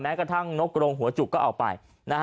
กระทั่งนกกรงหัวจุกก็เอาไป